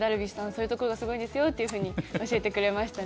そういうところがすごいですよっていうふうに教えてくれましたね。